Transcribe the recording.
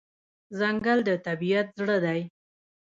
ځنګل د طبیعت زړه دی.